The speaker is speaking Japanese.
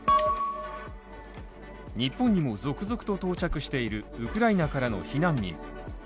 日本にも続々と到着しているウクライナからの避難民。